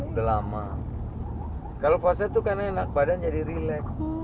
udah lama kalau puasa itu kan enak badan jadi relax